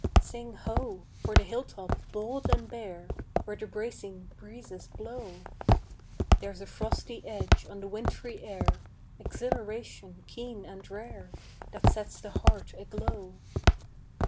Sing ho! for the hilltop bold and bare, Where the bracing breezes blow! There's a frosty edge on the wintry air, Exhilaration keen and rare That sets the heart aglow.